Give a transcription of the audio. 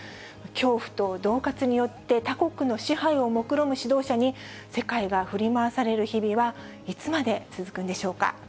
恐怖とどう喝によって他国の支配をもくろむ指導者に、世界が振り回される日々はいつまで続くんでしょうか。